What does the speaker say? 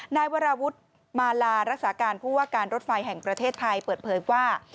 นายวราวุฒิมาลารักษาการผู้ว่าการรถไฟแห่งประเทศไทยเปิดเผยว่า